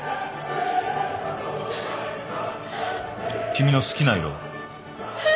君の好きな色は？え。